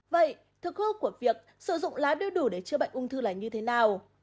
vậy thực hư của việc sử dụng lá điêu đủ để chữa bệnh ung thư là như thế nào